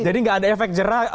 jadi nggak ada efek jerah